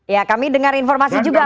ya kami dengar informasi juga